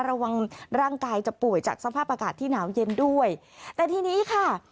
ระวังร่างกายจะป่วยจากสภาพอากาศที่หนาวเย็นด้วยแต่ทีนี้ค่ะ